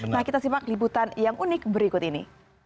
nah kita simak liputan yang unik berikut ini